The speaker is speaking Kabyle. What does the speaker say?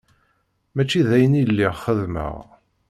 Mačči d ayen i lliɣ xeddmeɣ.